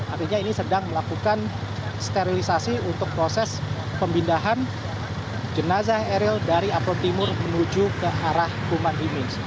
artinya ini sedang melakukan sterilisasi untuk proses pemindahan jenazah eril dari apel timur menuju ke arah kuman imin